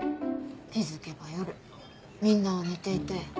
気付けば夜みんなは寝ていて。